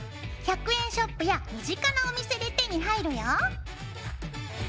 １００円ショップや身近なお店で手に入るよ。